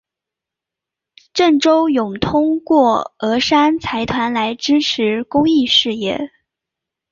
郑周永通过峨山财团来支持公益事业。